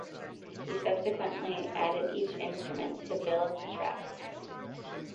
He subsequently added each instrument to build the tracks.